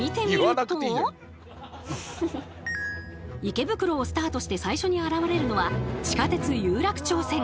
池袋をスタートして最初に現れるのは地下鉄有楽町線。